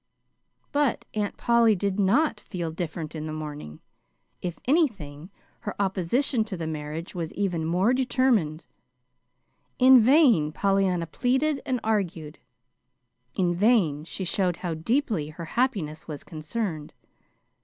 But Aunt Polly did not "feel different" in the morning. If anything, her opposition to the marriage was even more determined. In vain Pollyanna pleaded and argued. In vain she showed how deeply her happiness was concerned.